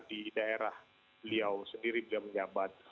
di daerah beliau sendiri beliau menjabat